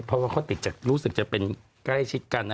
เพราะว่าเขาติดจากรู้สึกจะเป็นใกล้ชิดกันนะ